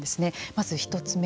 まず１つ目。